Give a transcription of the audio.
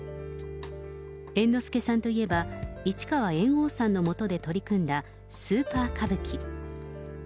猿之助さんといえば、市川猿翁さんの下で取り組んだ、スーパー歌舞伎。